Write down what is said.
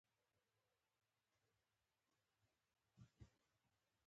په همدې سیمه کې د سوبۍ مشهور زیارت